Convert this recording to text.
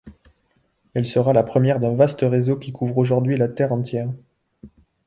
Elle sera la première d’un vaste réseau qui couvre aujourd’hui la Terre entière.